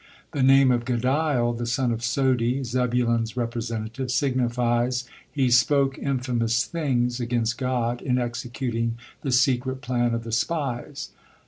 The name of Gaddiel, the son of Sodi, Zebulun's representative, signifies, "He spoke infamous things against God in executing the secret plan of the spies."